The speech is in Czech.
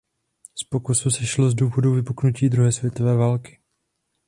Z pokusu sešlo z důvodu vypuknutí druhé světové války.